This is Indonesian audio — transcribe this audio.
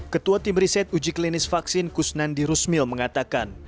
ketua tim riset uji klinis vaksin kusnandi rusmil mengatakan